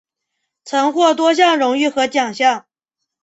曾获多样荣誉和奖项。